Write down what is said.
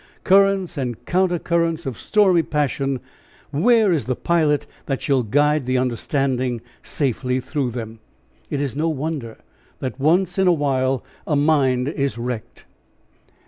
"Currents and counter currents" of stormy passion, where is the pilot that shall guide the understanding safely through them? It is no wonder, that once in a while, a mind is wrecked.